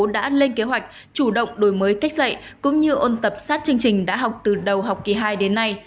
đã lên kế hoạch chủ động đổi mới cách dạy cũng như ôn tập sát chương trình đã học từ đầu học kỳ hai đến nay